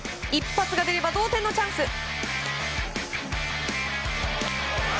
一発が出れば同点のチャンス。